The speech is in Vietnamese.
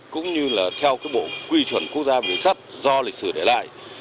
cũng như là theo cái bộ quy chuẩn quốc gia về sắt do lịch sử để lại